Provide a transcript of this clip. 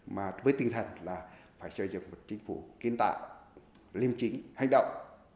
mà với tinh thần là phải xây dựng một chính phủ kiến tạo liêm chính hành động